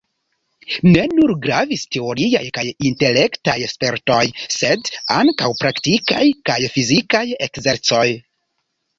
Ne nur gravis teoriaj kaj intelektaj spertoj sed ankaŭ praktikaj kaj fizikaj ekzercoj.